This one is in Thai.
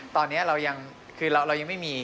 ตอนนี้เรายังไม่มี